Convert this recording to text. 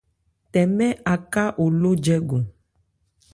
Tɛmɛ Aká oló jɛ́gɔn.